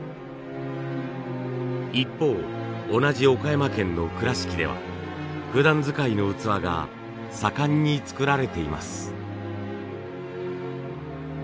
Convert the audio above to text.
一方同じ岡山県の倉敷ではふだん使いの器が盛んに作られています。